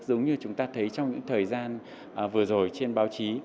giống như chúng ta thấy trong những thời gian vừa rồi trên báo chí